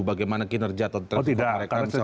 bagaimana kinerja atau transaksi mereka misalnya